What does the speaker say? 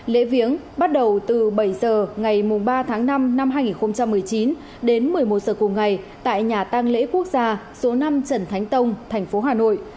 lễ viếng bắt đầu từ bảy h ngày ba tháng năm năm hai nghìn một mươi chín đến một mươi một giờ cùng ngày tại nhà tăng lễ quốc gia số năm trần thánh tông thành phố hà nội